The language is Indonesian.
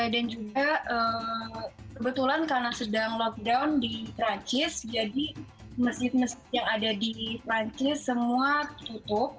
dan juga kebetulan karena sedang lockdown di perancis jadi masjid masjid yang ada di perancis semua tutup